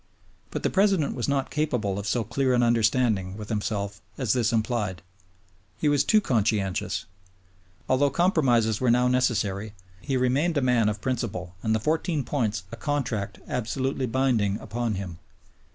But the President was not capable of so clear an understanding with himself as this implied. He was too conscientious. Although compromises were now necessary, he remained a man of principle and the Fourteen Points a contract absolutely binding upon him.